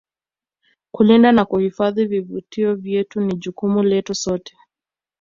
kulinda na kuhifadhi vivutio vyetu ni jukumu letu sote